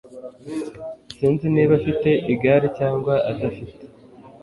Sinzi niba afite igare cyangwa adafite.